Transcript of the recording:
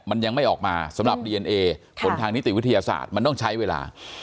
มันยังไม่ออกมาสำหรับดีเอนเอผลทางนิติวิทยาศาสตร์มันต้องใช้เวลา